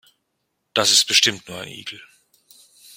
Das ist bestimmt nur ein Igel.